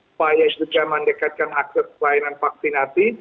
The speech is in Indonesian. supaya juga mendekatkan akses pelayanan vaksinasi